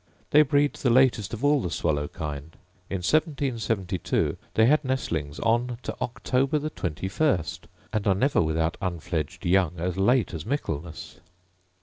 They breed the latest of all the swallow kind: in 1772 they had nestlings on to October the twenty first, and are never without unfledged young as late as Michaelmas.